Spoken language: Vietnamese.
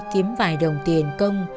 kiếm vài đồng tiền công